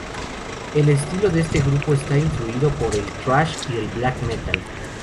El estilo de este grupo está influido por el thrash y el black metal.